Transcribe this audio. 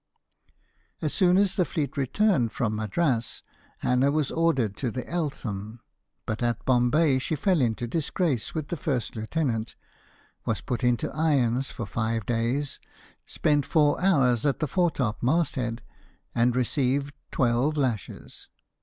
As soon as the fleet returned from Madras, Hannah was ordered to the 'Eltham,' but at Bombay she fell into disgrace with the first lieutenant, was put into irons for five days, spent four hours at the foretop masthead, and received twelve lashes.